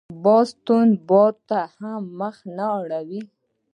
باز تند باد ته هم مخ نه اړوي